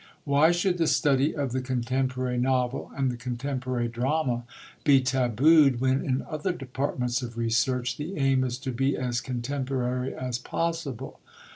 Why should the study of the contemporary novel and the contemporary drama be tabooed when in other departments of research the aim is to be as contemporary as possible?